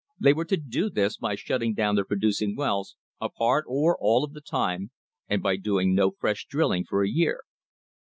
They were to do this by shutting down their producing wells a part or all of the time and by doing no fresh drilling for a year.